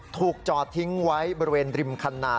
ถูกจอดทิ้งไว้บริเวณริมคันนา